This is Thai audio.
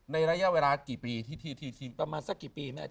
ในระยะเวลากี่ปีประมาณสักกี่ปี